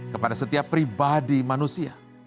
kepada setiap pribadi manusia